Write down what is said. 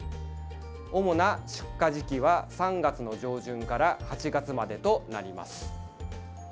主な出荷時期は３月の上旬から８月までとなります。